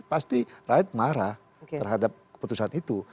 pasti rakyat marah terhadap keputusan itu